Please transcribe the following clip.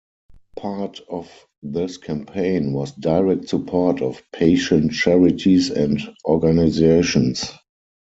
Part of this campaign was direct support of patient charities and organisations.